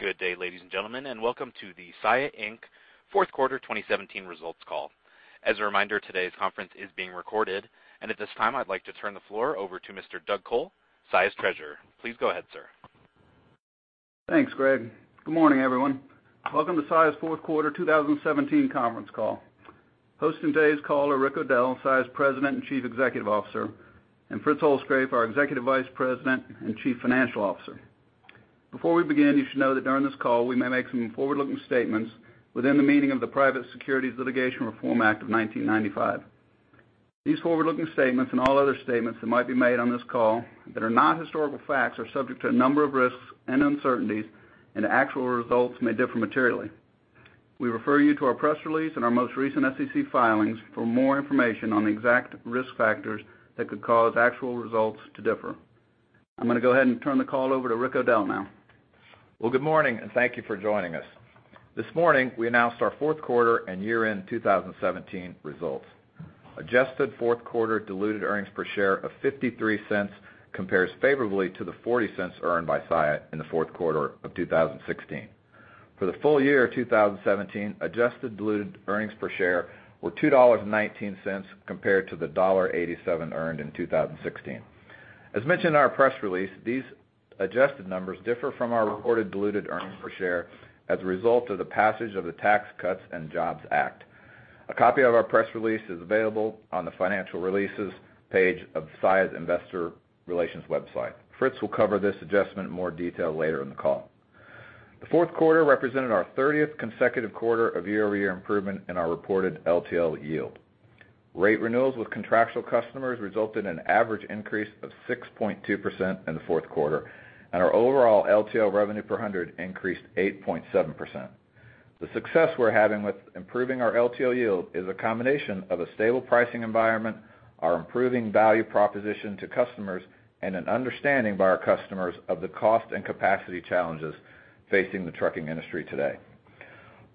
Good day, ladies and gentlemen, and welcome to the Saia Inc. fourth quarter 2017 results call. As a reminder, today's conference is being recorded. At this time, I'd like to turn the floor over to Mr. Doug Col, Saia's Treasurer. Please go ahead, sir. Thanks, Greg. Good morning, everyone. Welcome to Saia's fourth quarter 2017 conference call. Hosting today's call are Rick O'Dell, Saia's President and Chief Executive Officer, and Fritz Holzgrefe, our Executive Vice President and Chief Financial Officer. Before we begin, you should know that during this call, we may make some forward-looking statements within the meaning of the Private Securities Litigation Reform Act of 1995. These forward-looking statements, and all other statements that might be made on this call that are not historical facts, are subject to a number of risks and uncertainties, and actual results may differ materially. We refer you to our press release and our most recent SEC filings for more information on the exact risk factors that could cause actual results to differ. I'm going to go ahead and turn the call over to Rick O'Dell now. Well, good morning, and thank you for joining us. This morning, we announced our fourth quarter and year-end 2017 results. Adjusted fourth quarter diluted earnings per share of $0.53 compares favorably to the $0.40 earned by Saia in the fourth quarter of 2016. For the full year of 2017, adjusted diluted earnings per share were $2.19, compared to the $1.87 earned in 2016. As mentioned in our press release, these adjusted numbers differ from our reported diluted earnings per share as a result of the passage of the Tax Cuts and Jobs Act. A copy of our press release is available on the Financial Releases page of Saia's Investor Relations website. Fritz will cover this adjustment in more detail later in the call. The fourth quarter represented our thirtieth consecutive quarter of year-over-year improvement in our reported LTL yield. Rate renewals with contractual customers resulted in an average increase of 6.2% in the fourth quarter, and our overall LTL revenue per hundred increased 8.7%. The success we're having with improving our LTL yield is a combination of a stable pricing environment, our improving value proposition to customers, and an understanding by our customers of the cost and capacity challenges facing the trucking industry today.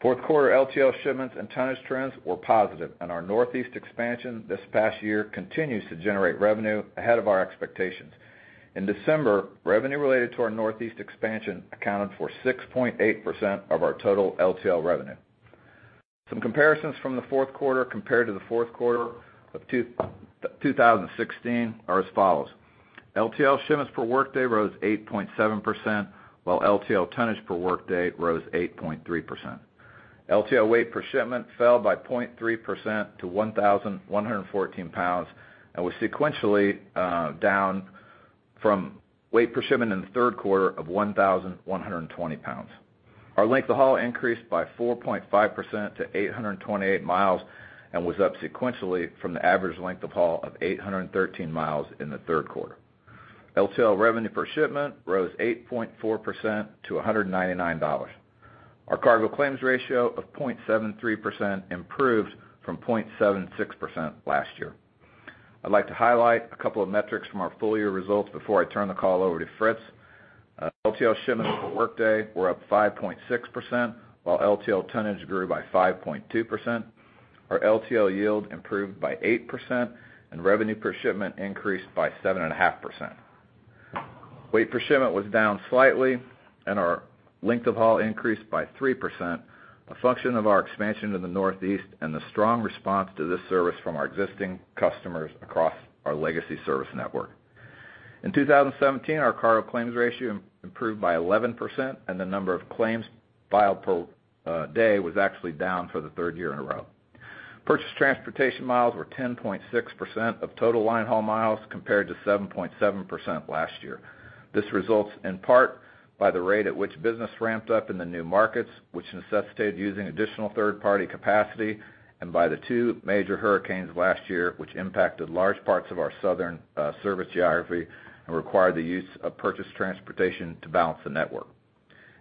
Fourth quarter LTL shipments and tonnage trends were positive, and our Northeast expansion this past year continues to generate revenue ahead of our expectations. In December, revenue related to our Northeast expansion accounted for 6.8% of our total LTL revenue. Some comparisons from the fourth quarter compared to the fourth quarter of 2016 are as follows: LTL shipments per workday rose 8.7%, while LTL tonnage per workday rose 8.3%. LTL weight per shipment fell by 0.3% to 1,114 pounds, and was sequentially down from weight per shipment in the third quarter of 1,120 pounds. Our length of haul increased by 4.5% to 828 miles, and was up sequentially from the average length of haul of 813 miles in the third quarter. LTL revenue per shipment rose 8.4% to $199. Our cargo claims ratio of 0.73% improved from 0.76% last year. I'd like to highlight a couple of metrics from our full year results before I turn the call over to Fritz. LTL shipments per workday were up 5.6%, while LTL tonnage grew by 5.2%. Our LTL yield improved by 8%, and revenue per shipment increased by 7.5%. Weight per shipment was down slightly, and our length of haul increased by 3%, a function of our expansion in the Northeast and the strong response to this service from our existing customers across our legacy service network. In 2017, our cargo claims ratio improved by 11%, and the number of claims filed per day was actually down for the third year in a row. Purchased transportation miles were 10.6% of total line haul miles, compared to 7.7% last year. This results in part by the rate at which business ramped up in the new markets, which necessitated using additional third-party capacity, and by the two major hurricanes last year, which impacted large parts of our southern service geography and required the use of purchased transportation to balance the network.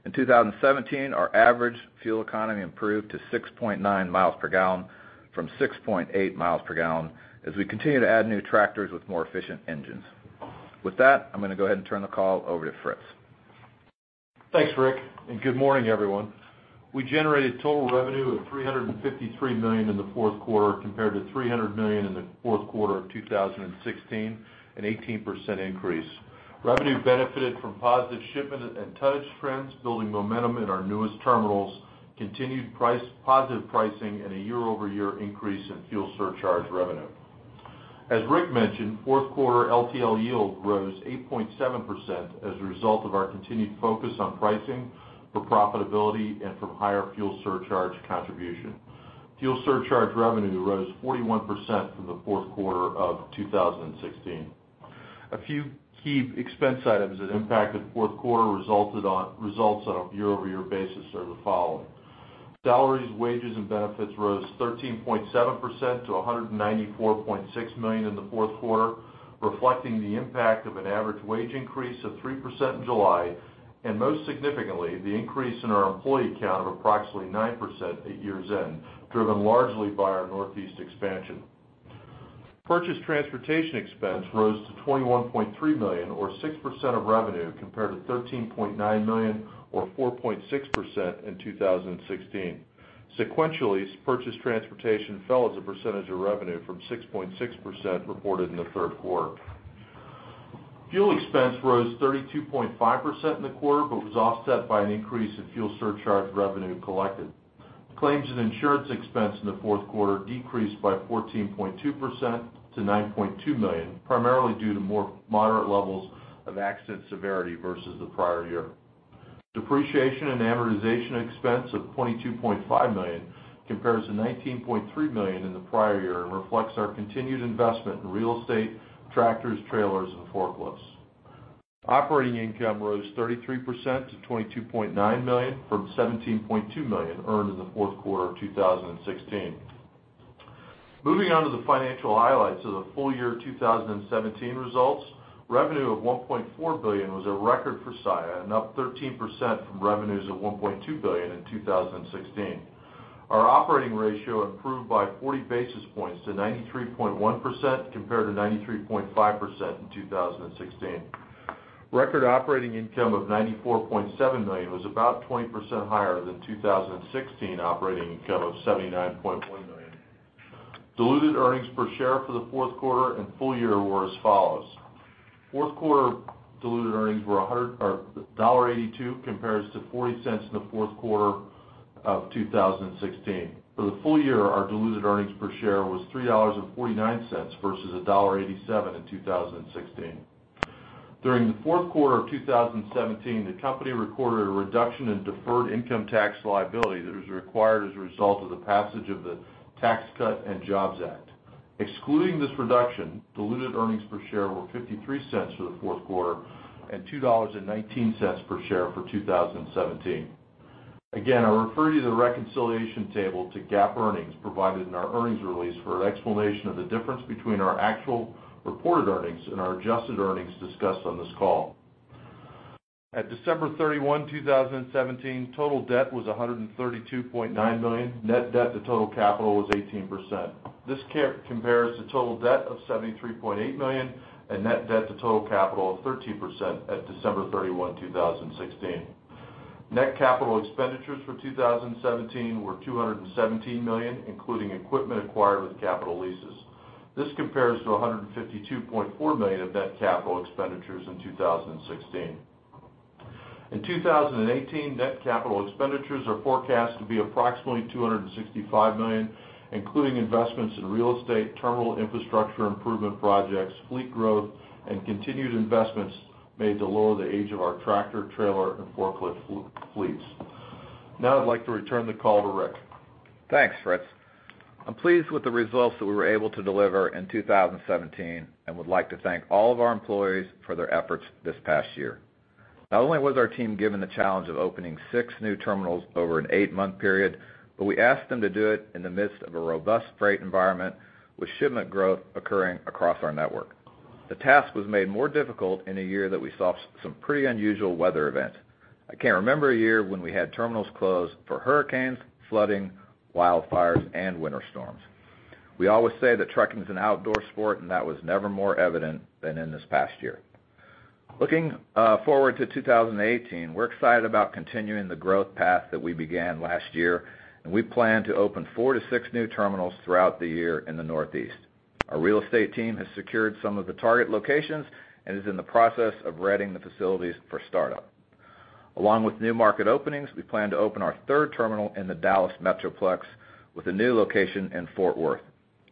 In 2017, our average fuel economy improved to 6.9 miles per gallon from 6.8 miles per gallon as we continue to add new tractors with more efficient engines. With that, I'm going to go ahead and turn the call over to Fritz. Thanks, Rick, and good morning, everyone. We generated total revenue of $353 million in the fourth quarter, compared to $300 million in the fourth quarter of 2016, an 18% increase. Revenue benefited from positive shipment and tonnage trends, building momentum in our newest terminals, continued positive pricing, and a year-over-year increase in fuel surcharge revenue. As Rick mentioned, fourth quarter LTL yield rose 8.7% as a result of our continued focus on pricing for profitability and from higher fuel surcharge contribution. Fuel surcharge revenue rose 41% from the fourth quarter of 2016. A few key expense items that impacted fourth quarter results on a year-over-year basis are the following: Salaries, wages, and benefits rose 13.7% to $194.6 million in the fourth quarter, reflecting the impact of an average wage increase of 3% in July, and most significantly, the increase in our employee count of approximately 9% at year's end, driven largely by our Northeast expansion. Purchase transportation expense rose to $21.3 million, or 6% of revenue, compared to $13.9 million, or 4.6%, in 2016. Sequentially, purchase transportation fell as a percentage of revenue from 6.6% reported in the third quarter. Fuel expense rose 32.5% in the quarter, but was offset by an increase in fuel surcharge revenue collected. Claims and insurance expense in the fourth quarter decreased by 14.2% to $9.2 million, primarily due to more moderate levels of accident severity versus the prior year. Depreciation and amortization expense of $22.5 million compares to $19.3 million in the prior year and reflects our continued investment in real estate, tractors, trailers, and forklifts. Operating income rose 33% to $22.9 million, from $17.2 million earned in the fourth quarter of 2016. Moving on to the financial highlights of the full year 2017 results. Revenue of $1.4 billion was a record for Saia and up 13% from revenues of $1.2 billion in 2016. Our operating ratio improved by 40 basis points to 93.1% compared to 93.5% in 2016. Record operating income of $94.7 million was about 20% higher than 2016 operating income of $79.1 million. Diluted earnings per share for the fourth quarter and full year were as follows: fourth quarter diluted earnings were $0.82 compared to $0.40 in the fourth quarter of 2016. For the full year, our diluted earnings per share was $3.49 versus $1.87 in 2016. During the fourth quarter of 2017, the company recorded a reduction in deferred income tax liability that was required as a result of the passage of the Tax Cuts and Jobs Act. Excluding this reduction, diluted earnings per share were $0.53 for the fourth quarter and $2.19 per share for 2017. Again, I refer you to the reconciliation table to GAAP earnings provided in our earnings release for an explanation of the difference between our actual reported earnings and our adjusted earnings discussed on this call. At December 31, 2017, total debt was $132.9 million. Net debt to total capital was 18%. This compares to total debt of $73.8 million and net debt to total capital of 13% at December 31, 2016. Net capital expenditures for 2017 were $217 million, including equipment acquired with capital leases. This compares to $152.4 million of net capital expenditures in 2016. In 2018, net capital expenditures are forecast to be approximately $265 million, including investments in real estate, terminal infrastructure improvement projects, fleet growth, and continued investments made to lower the age of our tractor, trailer, and forklift fleets. Now, I'd like to return the call to Rick. Thanks, Fritz. I'm pleased with the results that we were able to deliver in 2017, and would like to thank all of our employees for their efforts this past year. Not only was our team given the challenge of opening 6 new terminals over an 8-month period, but we asked them to do it in the midst of a robust freight environment with shipment growth occurring across our network. The task was made more difficult in a year that we saw some pretty unusual weather events. I can't remember a year when we had terminals closed for hurricanes, flooding, wildfires, and winter storms. We always say that trucking is an outdoor sport, and that was never more evident than in this past year. Looking forward to 2018, we're excited about continuing the growth path that we began last year, and we plan to open 4-6 new terminals throughout the year in the Northeast. Our real estate team has secured some of the target locations and is in the process of readying the facilities for startup. Along with new market openings, we plan to open our third terminal in the Dallas Metroplex with a new location in Fort Worth.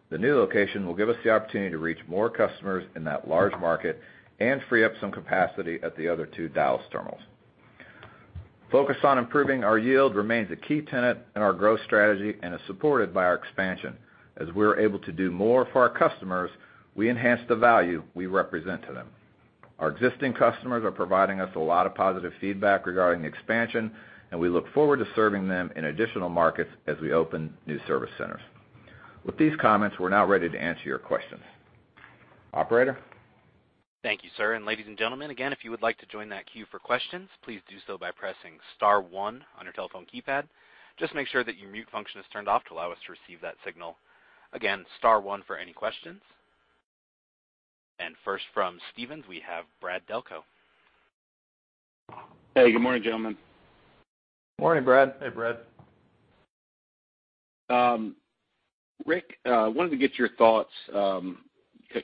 The new location will give us the opportunity to reach more customers in that large market and free up some capacity at the other two Dallas terminals. Focus on improving our yield remains a key tenet in our growth strategy and is supported by our expansion. As we're able to do more for our customers, we enhance the value we represent to them. Our existing customers are providing us a lot of positive feedback regarding the expansion, and we look forward to serving them in additional markets as we open new service centers. With these comments, we're now ready to answer your questions. Operator? Thank you, sir. And ladies and gentlemen, again, if you would like to join that queue for questions, please do so by pressing star one on your telephone keypad. Just make sure that your mute function is turned off to allow us to receive that signal. Again, star one for any questions. And first, from Stephens, we have Brad Delco. Hey, good morning, gentlemen. Morning, Brad. Hey, Brad. Rick, wanted to get your thoughts,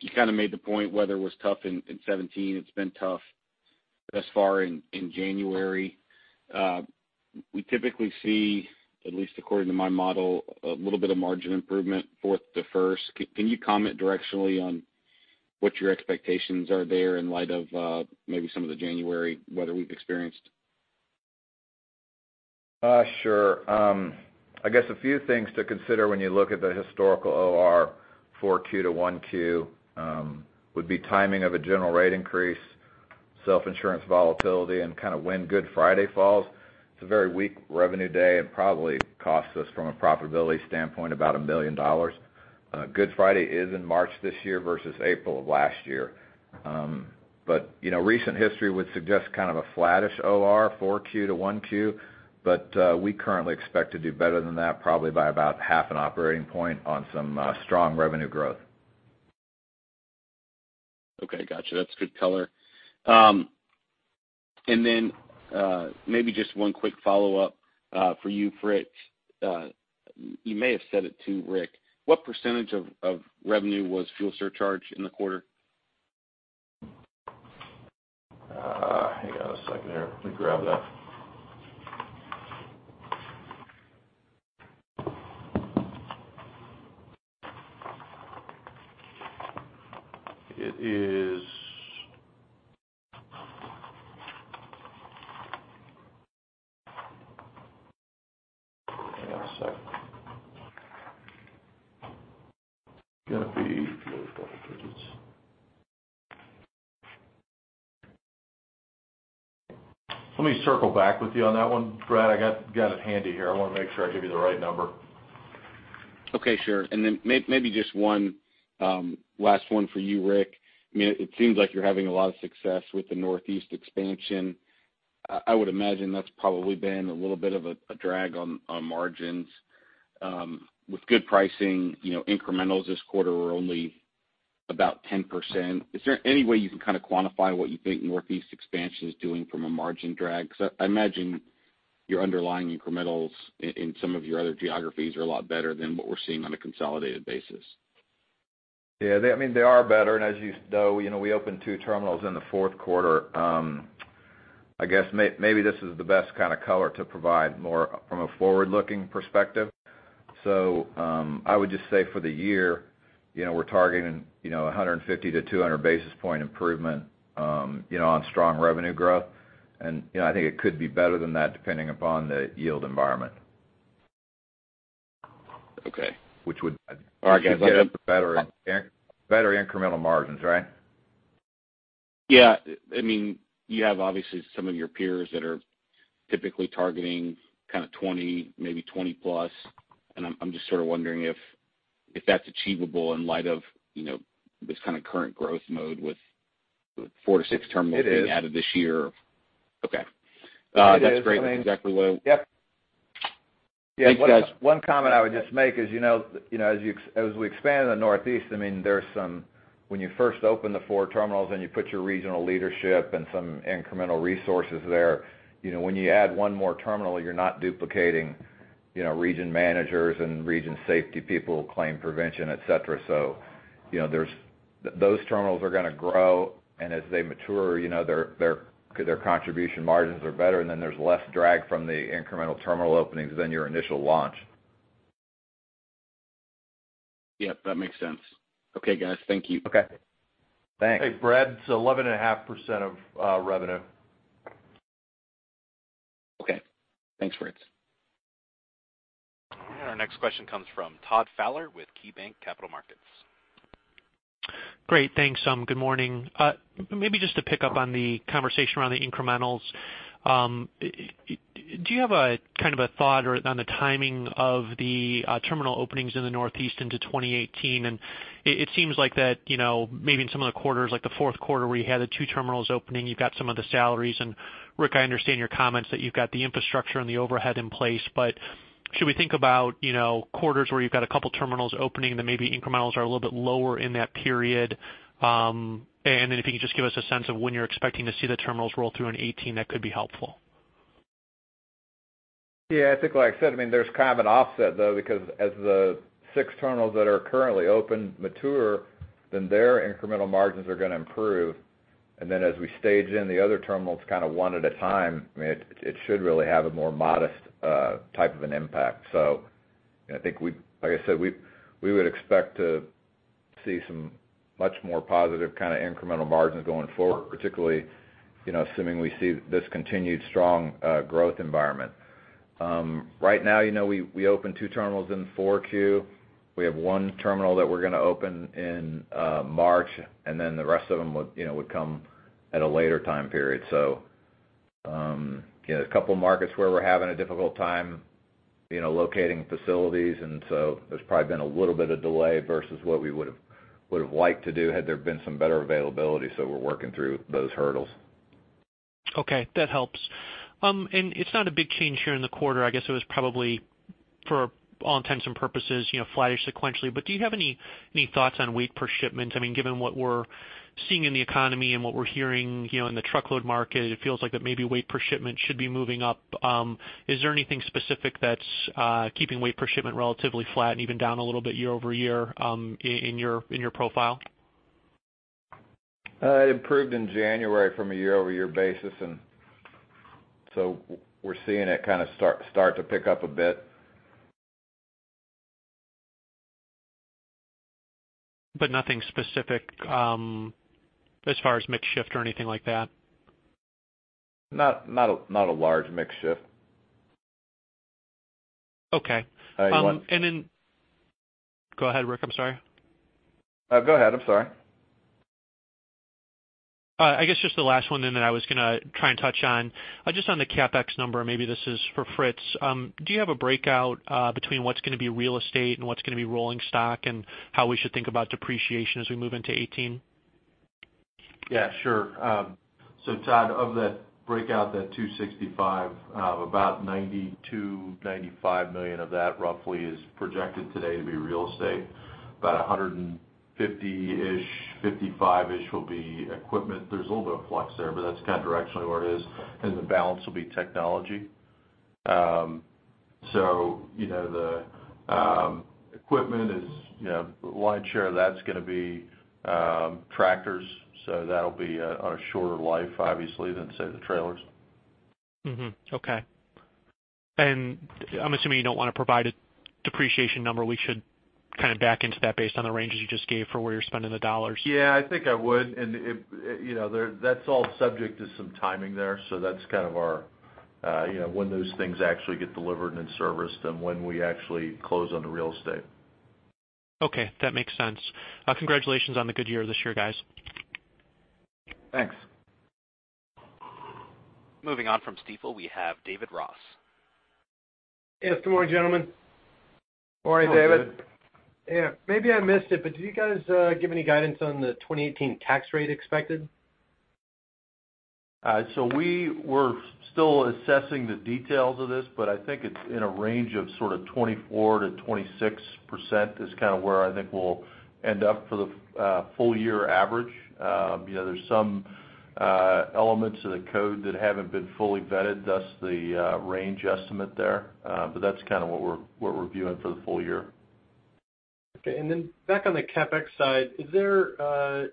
you kind of made the point weather was tough in 2017. It's been tough thus far in January. We typically see, at least according to my model, a little bit of margin improvement, fourth to first. Can you comment directionally on what your expectations are there in light of, maybe some of the January weather we've experienced? Sure. I guess a few things to consider when you look at the historical OR 4Q to 1Q would be timing of a general rate increase, self-insurance volatility, and kind of when Good Friday falls. It's a very weak revenue day and probably costs us, from a profitability standpoint, about $1 million. Good Friday is in March this year versus April of last year. But, you know, recent history would suggest kind of a flattish OR 4Q to 1Q, but we currently expect to do better than that, probably by about half an operating point on some strong revenue growth. Okay, gotcha. That's good color. And then, maybe just one quick follow-up, for you, Fritz. You may have said it to Rick. What percentage of revenue was fuel surcharge in the quarter? Hang on a second here. Let me grab that. It is, hang on a second. Gonna be those couple pages. Let me circle back with you on that one, Brad. I got it handy here. I want to make sure I give you the right number. Okay, sure. And then maybe just one last one for you, Rick. I mean, it seems like you're having a lot of success with the Northeast expansion. I would imagine that's probably been a little bit of a drag on margins with good pricing, you know, incrementals this quarter were only about 10%. Is there any way you can kind of quantify what you think Northeast expansion is doing from a margin drag? So I imagine your underlying incrementals in some of your other geographies are a lot better than what we're seeing on a consolidated basis. Yeah, they, I mean, they are better, and as you know, we opened 2 terminals in the fourth quarter. I guess maybe this is the best kind of color to provide more from a forward-looking perspective. So, I would just say for the year, you know, we're targeting, you know, a 150-200 basis point improvement, you know, on strong revenue growth. And, you know, I think it could be better than that, depending upon the yield environment. Okay. Which would- All right, guys- Better, better incremental margins, right? Yeah. I mean, you have obviously some of your peers that are typically targeting kind of 20, maybe 20+, and I'm, I'm just sort of wondering if, if that's achievable in light of, you know, this kind of current growth mode with 4-6 terminals- It is. being added this year. Okay. It is. That's great. Thanks, exactly what- Yep. Thanks, guys. One comment I would just make is, you know, you know, as we expand in the Northeast, I mean, there's some, when you first open the four terminals, and you put your regional leadership and some incremental resources there, you know, when you add one more terminal, you're not duplicating, you know, region managers and region safety people, claim prevention, et cetera. So, you know, there's, those terminals are gonna grow, and as they mature, you know, their contribution margins are better, and then there's less drag from the incremental terminal openings than your initial launch. Yep, that makes sense. Okay, guys. Thank you. Okay. Thanks. Hey, Brad, it's 11.5% of revenue. Okay. Thanks, Fritz. Our next question comes from Todd Fowler with KeyBanc Capital Markets. Great. Thanks, good morning. Maybe just to pick up on the conversation around the incrementals. Do you have a kind of a thought or on the timing of the terminal openings in the Northeast into 2018? And it seems like that, you know, maybe in some of the quarters, like the fourth quarter, where you had the 2 terminals opening, you've got some of the salaries. And Rick, I understand your comments that you've got the infrastructure and the overhead in place, but should we think about, you know, quarters where you've got a couple terminals opening, and then maybe incrementals are a little bit lower in that period? And then if you could just give us a sense of when you're expecting to see the terminals roll through in 2018, that could be helpful. Yeah, I think, like I said, I mean, there's kind of an offset, though, because as the six terminals that are currently open mature, then their incremental margins are gonna improve, and then as we stage in the other terminals, kind of one at a time, I mean, it, it should really have a more modest, type of an impact. So, I think we, like I said, we, we would expect to see some much more positive kind of incremental margins going forward, particularly, you know, assuming we see this continued strong, growth environment. Right now, you know, we, we opened two terminals in Q4. We have one terminal that we're gonna open in, March, and then the rest of them would, you know, would come at a later time period. So, you know, a couple markets where we're having a difficult time, you know, locating facilities, and so there's probably been a little bit of delay versus what we would've liked to do had there been some better availability. So we're working through those hurdles. Okay, that helps. And it's not a big change here in the quarter. I guess it was probably, for all intents and purposes, you know, flattish sequentially. But do you have any thoughts on weight per shipment? I mean, given what we're seeing in the economy and what we're hearing, you know, in the truckload market, it feels like that maybe weight per shipment should be moving up. Is there anything specific that's keeping weight per shipment relatively flat and even down a little bit year-over-year, in your profile? It improved in January from a year-over-year basis, and so we're seeing it kind of start to pick up a bit. But nothing specific, as far as mix shift or anything like that? Not a large mix shift. Okay. Uh, one- Go ahead, Rick, I'm sorry. Go ahead, I'm sorry. I guess just the last one then that I was gonna try and touch on, just on the CapEx number, maybe this is for Fritz. Do you have a breakout between what's gonna be real estate and what's gonna be rolling stock, and how we should think about depreciation as we move into 2018? Yeah, sure. So Todd, of that breakout, that $265 million, about $92-$95 million of that roughly is projected today to be real estate. About 100 and 50-ish, 55-ish will be equipment. There's a little bit of flux there, but that's kind of directionally where it is, and the balance will be technology. So, you know, the equipment is, you know, the lion's share of that's gonna be tractors, so that'll be a, on a shorter life, obviously, than, say, the trailers. Mm-hmm. Okay. And I'm assuming you don't want to provide a depreciation number. We should kind of back into that based on the ranges you just gave for where you're spending the dollars? Yeah, I think I would. And it, you know, there, that's all subject to some timing there, so that's kind of our, you know, when those things actually get delivered and in service than when we actually close on the real estate. Okay, that makes sense. Congratulations on the good year this year, guys. Thanks. Moving on from Stifel, we have David Ross. Yes, good morning, gentlemen. Morning, David. Good morning. Yeah, maybe I missed it, but did you guys give any guidance on the 2018 tax rate expected? So we were still assessing the details of this, but I think it's in a range of sort of 24%-26% is kind of where I think we'll end up for the full year average. You know, there's some elements of the code that haven't been fully vetted, thus the range estimate there. But that's kind of what we're viewing for the full year. Okay. And then back on the CapEx side, is there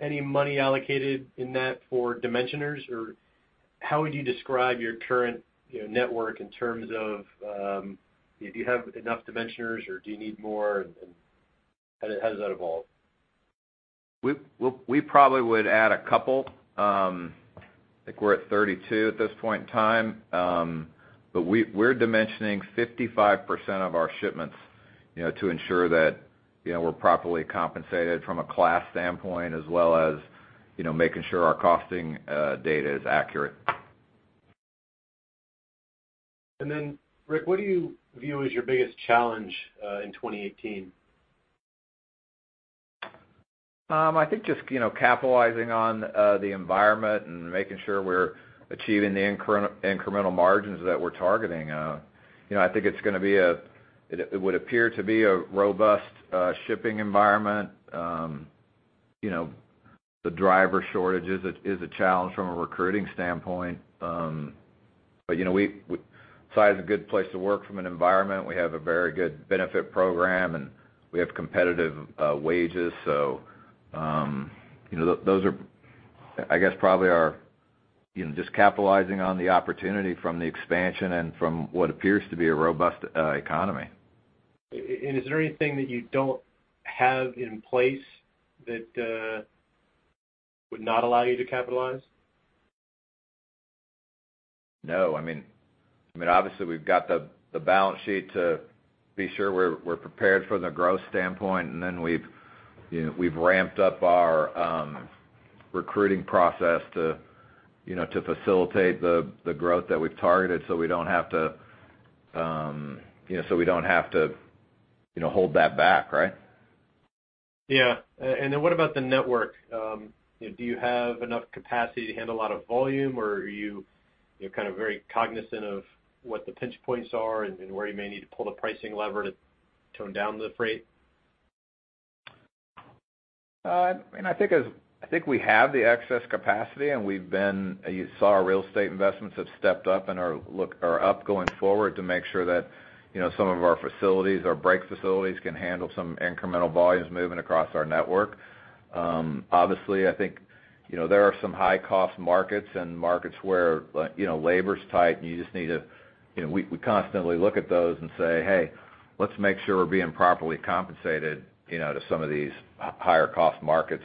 any money allocated in that for dimensioners, or how would you describe your current, you know, network in terms of, if you have enough dimensioners, or do you need more, and, and how does, how does that evolve? We'll, we probably would add a couple, I think we're at 32 at this point in time. But we're dimensioning 55% of our shipments, you know, to ensure that, you know, we're properly compensated from a class standpoint, as well as, you know, making sure our costing data is accurate. Rick, what do you view as your biggest challenge in 2018? I think just, you know, capitalizing on the environment and making sure we're achieving the incremental margins that we're targeting. You know, I think it's gonna be a. It, it would appear to be a robust shipping environment. You know, the driver shortage is a challenge from a recruiting standpoint. But you know, Saia is a good place to work from an environment. We have a very good benefit program, and we have competitive wages. So, you know, those are, I guess, probably our, you know, just capitalizing on the opportunity from the expansion and from what appears to be a robust economy. And is there anything that you don't have in place that would not allow you to capitalize? No, I mean, obviously, we've got the balance sheet to be sure we're prepared from the growth standpoint, and then we've, you know, we've ramped up our recruiting process to, you know, to facilitate the growth that we've targeted, so we don't have to, you know, hold that back, right? Yeah. And then what about the network? You know, do you have enough capacity to handle a lot of volume, or are you, you're kind of very cognizant of what the pinch points are and where you may need to pull the pricing lever to tone down the freight? I mean, I think we have the excess capacity, and we've been. You saw our real estate investments have stepped up and are up going forward to make sure that, you know, some of our facilities, our break facilities, can handle some incremental volumes moving across our network. Obviously, I think, you know, there are some high-cost markets and markets where, you know, labor's tight, and you just need to. You know, we constantly look at those and say, "Hey, let's make sure we're being properly compensated, you know, to some of these higher-cost markets,"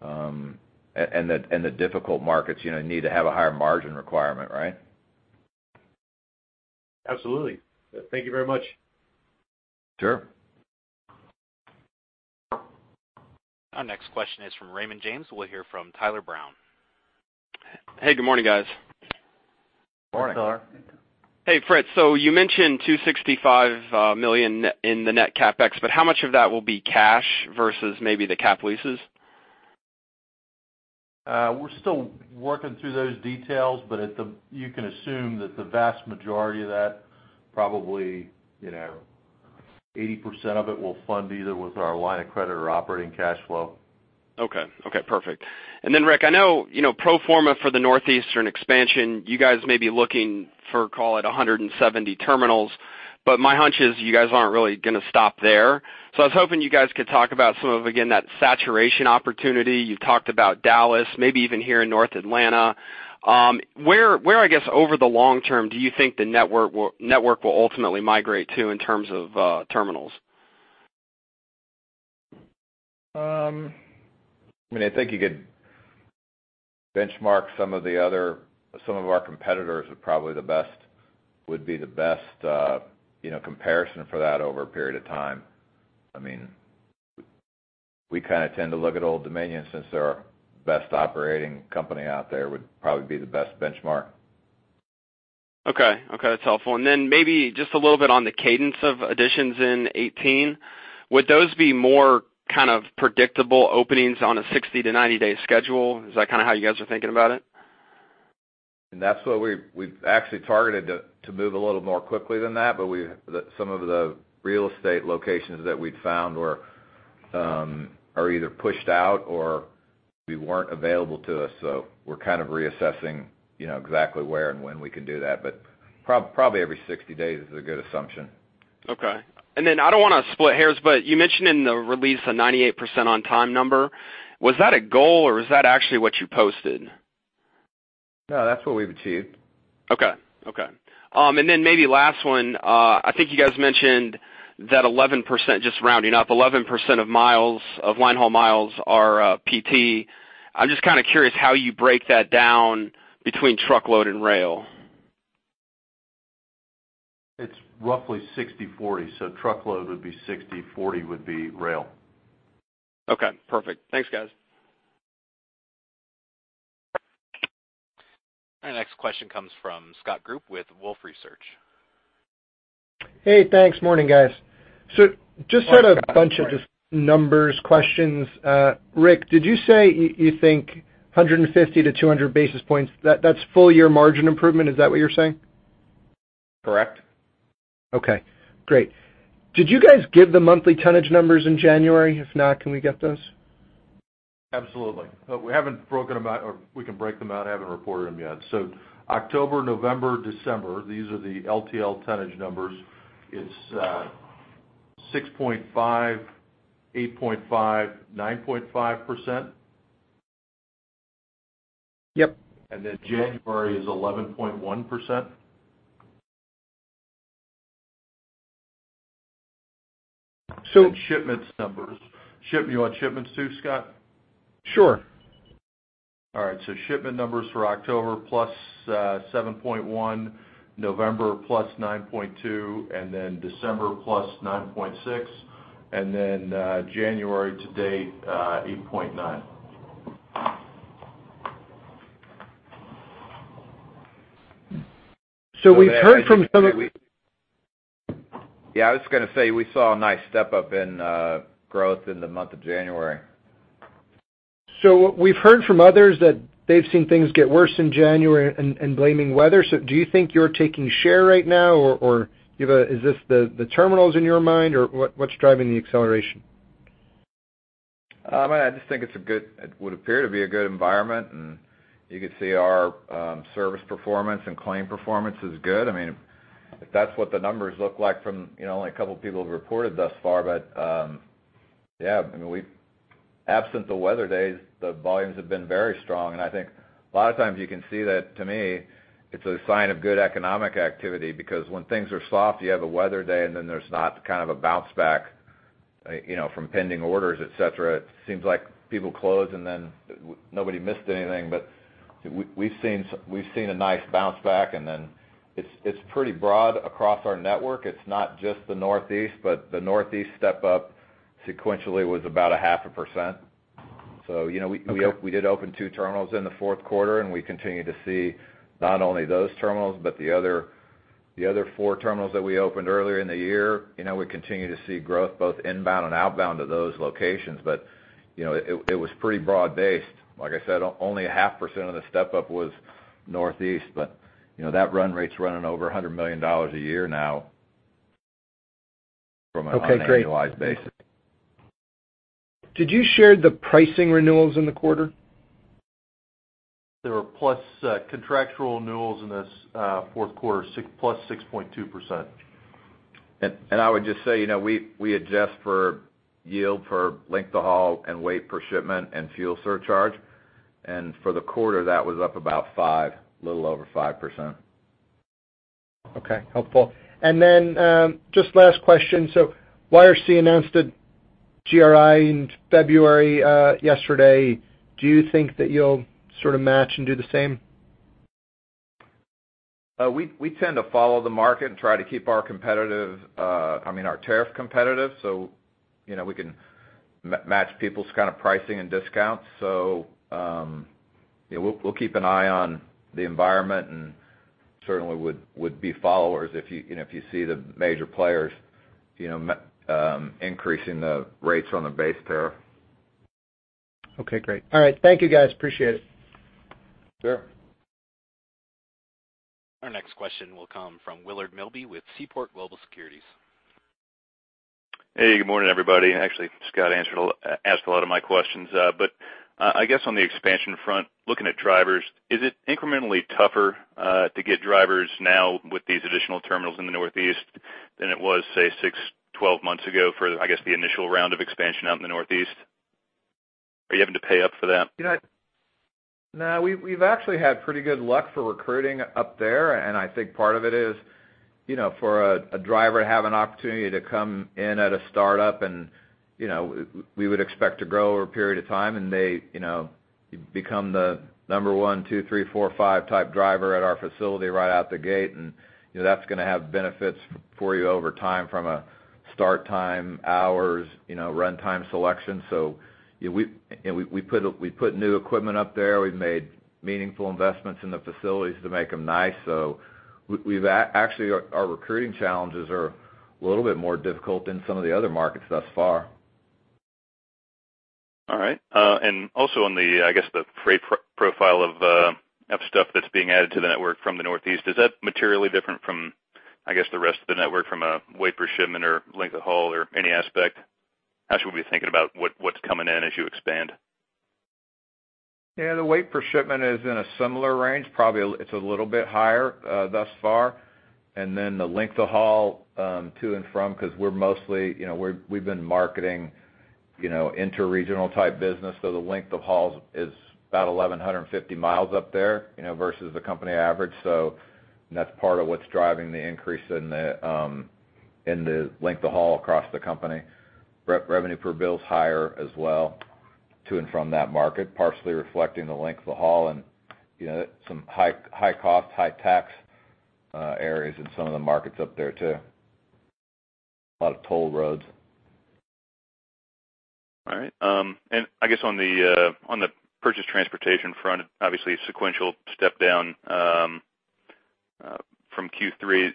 and the difficult markets, you know, need to have a higher margin requirement, right? Absolutely. Thank you very much. Sure. Our next question is from Raymond James. We'll hear from Tyler Brown. Hey, good morning, guys. Morning. Morning, Tyler. Hey, Fritz, so you mentioned $265 million in the net CapEx, but how much of that will be cash versus maybe the cap leases? We're still working through those details, but at the, you can assume that the vast majority of that, probably, you know, 80% of it will fund either with our line of credit or operating cash flow. Okay. Okay, perfect. And then, Rick, I know, you know, pro forma for the Northeastern expansion, you guys may be looking for, call it, 170 terminals, but my hunch is you guys aren't really gonna stop there. So I was hoping you guys could talk about some of, again, that saturation opportunity. You've talked about Dallas, maybe even here in North Atlanta. Where, I guess, over the long term, do you think the network will ultimately migrate to in terms of terminals? I mean, I think you could benchmark some of the other, some of our competitors are probably the best, would be the best, you know, comparison for that over a period of time. I mean, we kind of tend to look at Old Dominion since they're our best operating company out there, would probably be the best benchmark. Okay. Okay, that's helpful. And then maybe just a little bit on the cadence of additions in 18. Would those be more kind of predictable openings on a 60- to 90-day schedule? Is that kind of how you guys are thinking about it? And that's what we've actually targeted to move a little more quickly than that, but some of the real estate locations that we'd found are either pushed out or they weren't available to us. So we're kind of reassessing, you know, exactly where and when we can do that, but probably every 60 days is a good assumption. Okay. And then I don't want to split hairs, but you mentioned in the release a 98% on-time number. Was that a goal, or is that actually what you posted? No, that's what we've achieved. Okay. Okay. And then maybe last one. I think you guys mentioned that 11%, just rounding up, 11% of miles, of line haul miles are PT. I'm just kind of curious how you break that down between truckload and rail. It's roughly 60/40, so truckload would be 60, 40 would be rail. Okay, perfect. Thanks, guys. Our next question comes from Scott Group with Wolfe Research. Hey, thanks. Morning, guys. So just had a bunch of just numbers questions. Rick, did you say you, you think 150-200 basis points, that- that's full year margin improvement, is that what you're saying? Correct. Okay, great. Did you guys give the monthly tonnage numbers in January? If not, can we get those? Absolutely. But we haven't broken them out, or we can break them out. I haven't reported them yet. So October, November, December, these are the LTL tonnage numbers. It's 6.5, 8.5, 9.5%. Yep. January is 11.1%. So- Shipments numbers. You want shipments, too, Scott? Sure. All right. So shipment numbers for October +7.1, November +9.2, and then December +9.6, and then January to date 8.9. So we've heard from some of- Yeah, I was going to say we saw a nice step-up in growth in the month of January. So we've heard from others that they've seen things get worse in January and blaming weather. So do you think you're taking share right now, or you have a-- is this the terminals in your mind, or what, what's driving the acceleration? I just think it's a good environment. It would appear to be a good environment, and you can see our service performance and claim performance is good. I mean, if that's what the numbers look like from, you know, only a couple of people have reported thus far. But, yeah, I mean, we, absent the weather days, the volumes have been very strong. And I think a lot of times you can see that, to me, it's a sign of good economic activity, because when things are soft, you have a weather day, and then there's not kind of a bounce back, you know, from pending orders, et cetera. It seems like people close, and then nobody missed anything. But we've seen a nice bounce back, and then it's pretty broad across our network. It's not just the Northeast, but the Northeast step up sequentially was about 0.5%. So, you know, we did open 2 terminals in the fourth quarter, and we continue to see not only those terminals, but the other, the other 4 terminals that we opened earlier in the year. You know, we continue to see growth both inbound and outbound to those locations, but, you know, it, it was pretty broad-based. Like I said, only 0.5% of the step-up was Northeast. But, you know, that run rate's running over $100 million a year now from an annualized basis. Did you share the pricing renewals in the quarter? There were plus contractual renewals in this fourth quarter, 6 plus 6.2%. I would just say, you know, we adjust for yield per length of haul and weight per shipment and fuel surcharge, and for the quarter, that was up about 5, a little over 5%. Okay, helpful. And then, just last question. So YRC announced a GRI in February, yesterday. Do you think that you'll sort of match and do the same? We tend to follow the market and try to keep our competitive, I mean, our tariff competitive, so, you know, we can match people's kind of pricing and discounts. So, yeah, we'll keep an eye on the environment and certainly would be followers if you, you know, if you see the major players, you know, increasing the rates on the base tariff. Okay, great. All right. Thank you, guys. Appreciate it. Sure. Our next question will come from Willard Milby with Seaport Global Securities. Hey, good morning, everybody. Actually, Scott answered a lot of my questions. But I guess on the expansion front, looking at drivers, is it incrementally tougher to get drivers now with these additional terminals in the Northeast than it was, say, 6, 12 months ago for, I guess, the initial round of expansion out in the Northeast? Are you having to pay up for that? You know, no, we've actually had pretty good luck for recruiting up there, and I think part of it is, you know, for a driver to have an opportunity to come in at a startup and, you know, we would expect to grow over a period of time, and they, you know, become the number 1, 2, 3, 4, 5 type driver at our facility right out the gate. And, you know, that's gonna have benefits for you over time, from a start time, hours, you know, runtime selection. So, yeah, we put new equipment up there. We've made meaningful investments in the facilities to make them nice. So we've actually, our recruiting challenges are a little bit more difficult than some of the other markets thus far. All right. And also on the, I guess, the freight profile of stuff that's being added to the network from the Northeast, is that materially different from, I guess, the rest of the network from a weight per shipment or length of haul or any aspect? How should we be thinking about what, what's coming in as you expand? Yeah, the weight per shipment is in a similar range. Probably, it's a little bit higher thus far. And then the length of haul to and from, because we're mostly, you know, we've been marketing, you know, interregional type business, so the length of hauls is about 1,150 miles up there, you know, versus the company average. So that's part of what's driving the increase in the length of haul across the company. Revenue per bill is higher as well to and from that market, partially reflecting the length of the haul and, you know, some high, high cost, high tax areas in some of the markets up there, too. A lot of toll roads. All right. And I guess on the purchase transportation front, obviously, a sequential step down from Q3. Do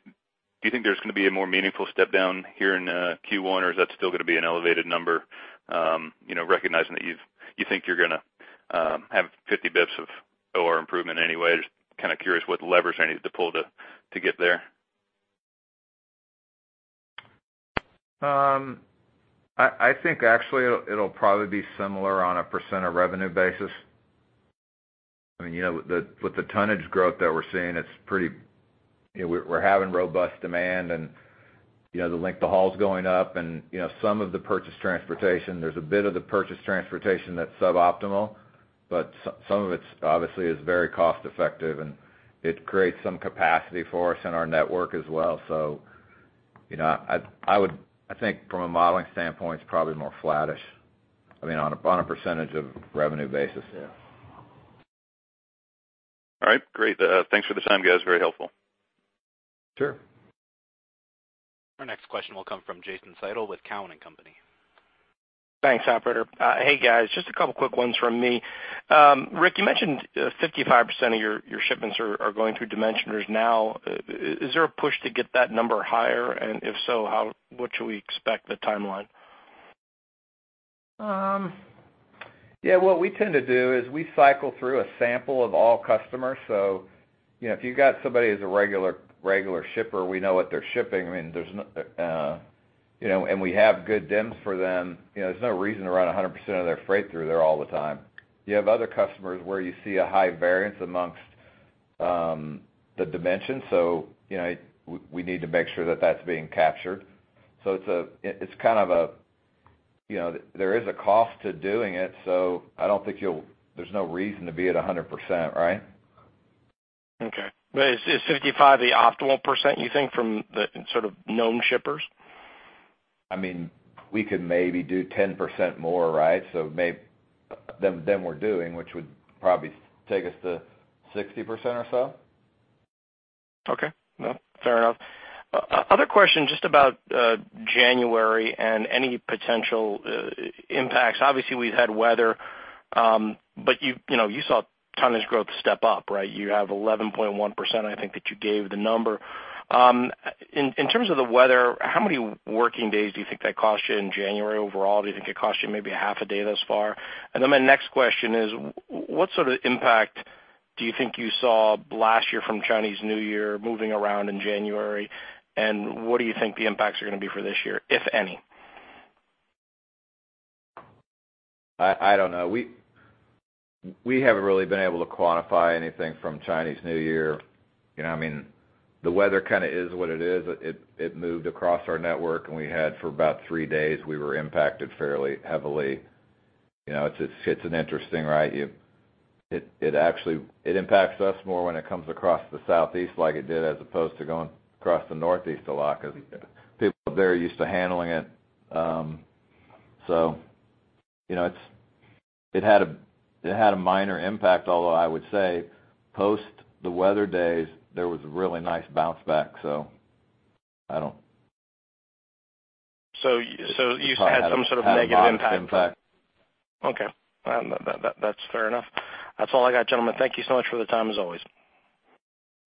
you think there's going to be a more meaningful step down here in Q1, or is that still going to be an elevated number? You know, recognizing that you've—you think you're gonna have 50 basis points of OR improvement anyway, just kind of curious what levers are needed to pull to get there. I think actually it'll probably be similar on a percent of revenue basis. I mean, you know, with the tonnage growth that we're seeing, it's pretty, you know, we're having robust demand, and, you know, the length of haul is going up and, you know, some of the purchase transportation, there's a bit of the purchase transportation that's suboptimal, but some of it's obviously very cost effective, and it creates some capacity for us in our network as well. So, you know, I would, I think from a modeling standpoint, it's probably more flattish, I mean, on a percentage of revenue basis, yeah. All right. Great. Thanks for the time, guys. Very helpful. Sure. Our next question will come from Jason Seidl with Cowen and Company. Thanks, operator. Hey, guys, just a couple quick ones from me. Rick, you mentioned 55% of your shipments are going through dimensioners now. Is there a push to get that number higher? And if so, how, what should we expect the timeline? Yeah, what we tend to do is we cycle through a sample of all customers. So, you know, if you've got somebody who's a regular, regular shipper, we know what they're shipping. I mean, there's no, you know, and we have good dims for them, you know, there's no reason to run 100% of their freight through there all the time. You have other customers where you see a high variance amongst the dimensions, so, you know, we need to make sure that that's being captured. So it's a, it, it's kind of a, you know, there is a cost to doing it, so I don't think you'll—there's no reason to be at 100%, right? Okay. But is 55% the optimal percent, you think, from the sort of known shippers? I mean, we could maybe do 10% more, right? So than we're doing, which would probably take us to 60% or so. Okay. Well, fair enough. Other question, just about January and any potential impacts. Obviously, we've had weather, but you know, you saw tonnage growth step up, right? You have 11.1%, I think, that you gave the number. In terms of the weather, how many working days do you think that cost you in January overall? Do you think it cost you maybe half a day thus far? And then my next question is, what sort of impact do you think you saw last year from Chinese New Year moving around in January, and what do you think the impacts are going to be for this year, if any? I don't know. We haven't really been able to quantify anything from Chinese New Year. You know, I mean, the weather kind of is what it is. It moved across our network, and we had for about three days, we were impacted fairly heavily. You know, it's an interesting, right? It actually impacts us more when it comes across the Southeast, like it did, as opposed to going across the Northeast a lot, because people are very used to handling it. So, you know, it's, it had a minor impact, although I would say, post the weather days, there was a really nice bounce back, so I don't- So you had some sort of negative impact. Had a positive impact. Okay. Well, that's fair enough. That's all I got, gentlemen. Thank you so much for the time, as always.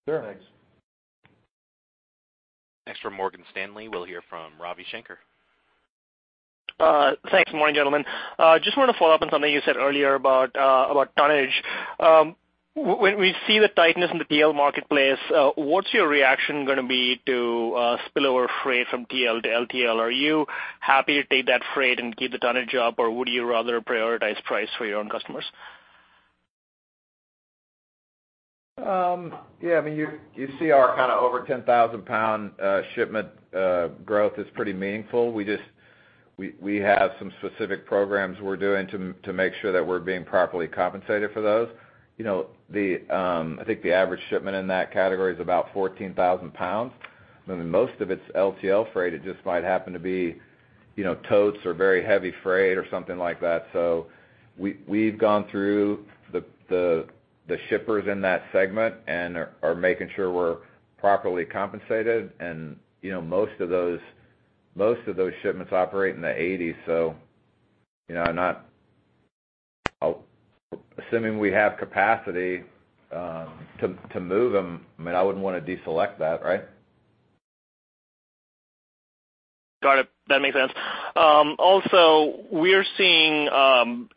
Sure. Thanks. Next from Morgan Stanley, we'll hear from Ravi Shanker. Thanks. Good morning, gentlemen. Just want to follow up on something you said earlier about tonnage. When we see the tightness in the TL marketplace, what's your reaction gonna be to spillover freight from TL to LTL? Are you happy to take that freight and keep the tonnage up, or would you rather prioritize price for your own customers? Yeah, I mean, you see our kind of over 10,000-pound shipment growth is pretty meaningful. We just, we have some specific programs we're doing to make sure that we're being properly compensated for those. You know, I think the average shipment in that category is about 14,000 pounds, and most of it's LTL freight. It just might happen to be, you know, totes or very heavy freight or something like that. So we've gone through the shippers in that segment and are making sure we're properly compensated. And, you know, most of those shipments operate in the eighties, so, you know, I'm not assuming we have capacity to move them, I mean, I wouldn't want to deselect that, right? Got it. That makes sense. Also, we're seeing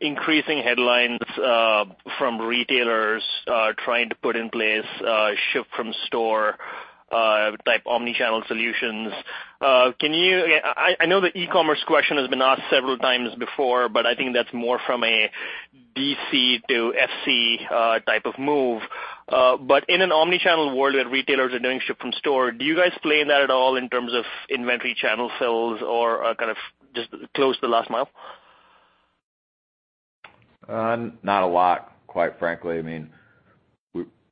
increasing headlines from retailers trying to put in place ship from store type omni-channel solutions. Can you—I, I know the e-commerce question has been asked several times before, but I think that's more from a DC to FC type of move. But in an omni-channel world where retailers are doing ship from store, do you guys play in that at all in terms of inventory channel sales or kind of just close to the last mile? Not a lot, quite frankly. I mean,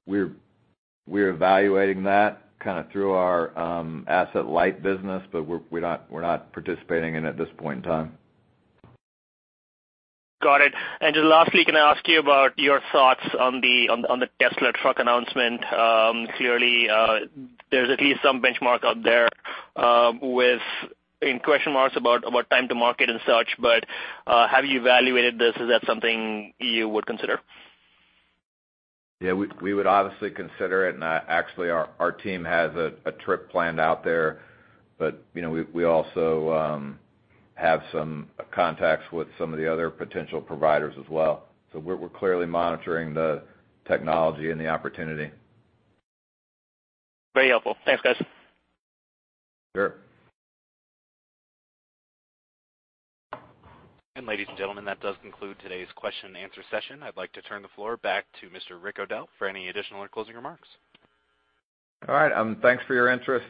we're evaluating that kind of through our asset-light business, but we're not participating in it at this point in time. Got it. And just lastly, can I ask you about your thoughts on the Tesla truck announcement? Clearly, there's at least some benchmark out there with question marks about time to market and such. But have you evaluated this? Is that something you would consider? Yeah, we would obviously consider it, and actually, our team has a trip planned out there. But, you know, we also have some contacts with some of the other potential providers as well. So we're clearly monitoring the technology and the opportunity. Very helpful. Thanks, guys. Sure. Ladies and gentlemen, that does conclude today's question and answer session. I'd like to turn the floor back to Mr. Rick O'Dell for any additional or closing remarks. All right, thanks for your interest.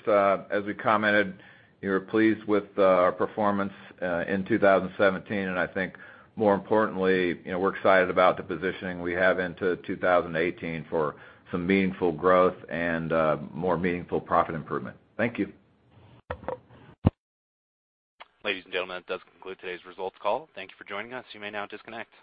As we commented, we were pleased with our performance in 2017, and I think more importantly, you know, we're excited about the positioning we have into 2018 for some meaningful growth and more meaningful profit improvement. Thank you. Ladies and gentlemen, that does conclude today's results call. Thank you for joining us. You may now disconnect.